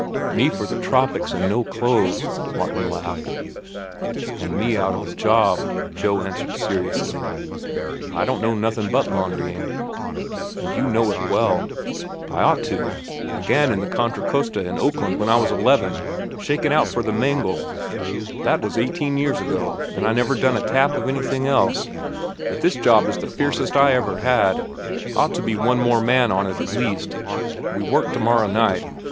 "Me for the tropics and no clothes," Martin laughed. "And me out of a job," Joe answered seriously. "I don't know nothin' but laundrying." "And you know it well." "I ought to. Began in the Contra Costa in Oakland when I was eleven, shakin' out for the mangle. That was eighteen years ago, an' I've never done a tap of anything else. But this job is the fiercest I ever had. Ought to be one more man on it at least. We work to morrow night.